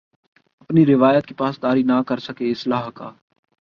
اپنی روایت کی پاسداری نہ کر سکے اصلاح کا